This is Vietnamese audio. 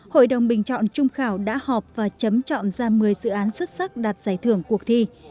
hội đồng bình chọn trung khảo đã họp và chấm chọn ra một mươi dự án xuất sắc đạt giải thưởng cuộc thi